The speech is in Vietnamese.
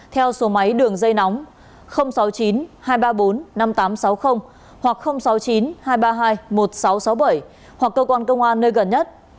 theo số máy đường dây nóng sáu mươi chín hai trăm ba mươi bốn năm nghìn tám trăm sáu mươi hoặc sáu mươi chín hai trăm ba mươi hai một nghìn sáu trăm sáu mươi bảy hoặc cơ quan công an nơi gần nhất